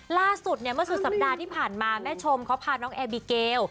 ล่าสุดเนี่ยเมื่อสุดสัปดาห์ที่ผ่านมาแม่ชมเขาพาน้องแอร์บิเกล